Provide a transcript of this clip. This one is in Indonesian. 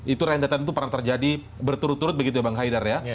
itu rendetan itu pernah terjadi berturut turut begitu ya bang haidar ya